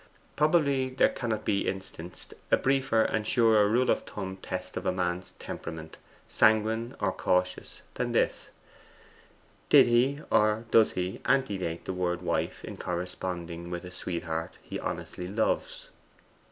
Probably there cannot be instanced a briefer and surer rule of thumb test of a man's temperament sanguine or cautious than this: did he or does he ante date the word wife in corresponding with a sweet heart he honestly loves?